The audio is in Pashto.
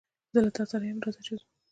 زه له تاسره ېم رازه چې ځو